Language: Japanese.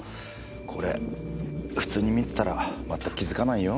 これ普通に見てたらまったく気づかないよ。